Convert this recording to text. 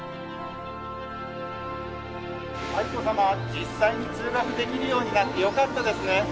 実際に通学できるようになってよかったですね。